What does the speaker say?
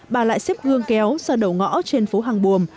bà lại xếp gương kéo ra đầu ngõ trên phố hàng buồm